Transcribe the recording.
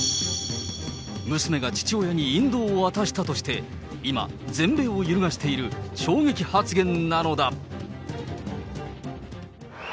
娘が父親に引導を渡したとして、今、全米を揺るがしている衝撃発言なのだ。